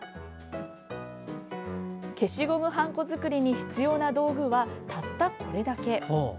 消しゴムはんこ作りに必要な道具はたったこれだけ。